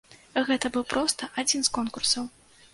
Гэта быў проста адзін з конкурсаў.